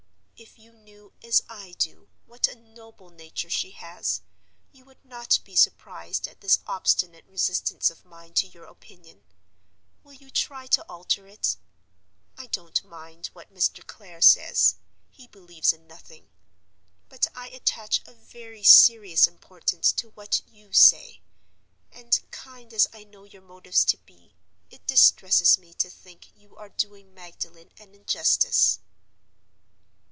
If you knew, as I do, what a noble nature she has, you would not be surprised at this obstinate resistance of mine to your opinion. Will you try to alter it? I don't mind what Mr. Clare says; he believes in nothing. But I attach a very serious importance to what you say; and, kind as I know your motives to be, it distresses me to think you are doing Magdalen an injustice.